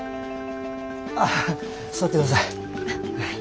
ああ座ってください。